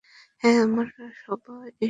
হ্যাঁ, আমরা সবাই এসব উড়ো কথাই শুনেছি!